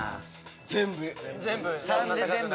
全部？